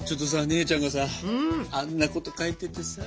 姉ちゃんがさあんなこと書いててさ。